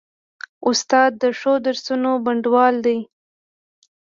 استاد د ښو درسونو بڼوال دی.